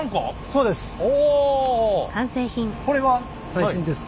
そうです。